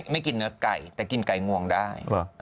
ไม่กินเนื้อไก่แต่กินไก่งวงได้